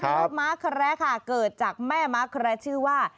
ลูกม้าแคระค่ะเกิดจากแม่ม้าแคระชื่อว่า